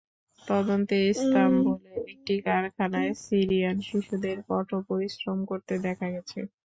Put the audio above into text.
তদন্তে ইস্তাম্বুলে একটি কারখানায় সিরিয়ান শিশুদের কঠোর পরিশ্রম করতে দেখা গেছে।